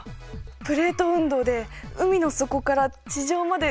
プレート運動で海の底から地上まで運ばれたんだ！